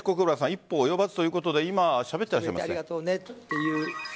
一歩及ばずということで今しゃべっていらっしゃいますね。